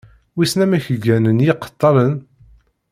Wissen amek gganen yiqettalen?